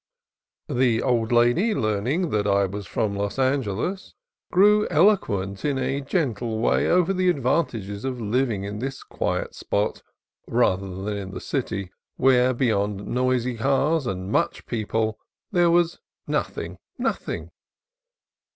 The old lady, learning that I was from Los Angeles, grew eloquent in a gentle way over the advantages of living in this quiet spot rather than in the city, where, beyond noisy cars and much people, there was "nothing, nothing."